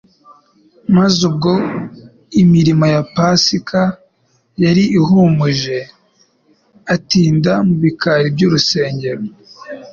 Maze ubwo imirimo ya Pasika yari ihumuje atinda mu bikari by'urusengero,